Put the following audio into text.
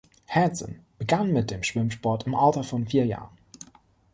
Hanson begann mit dem Schwimmsport im Alter von vier Jahren.